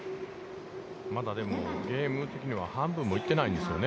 まだでもゲーム的には半分も行ってないんですよね。